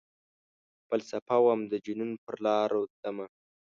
فلسفه وم ،دجنون پرلاروتلمه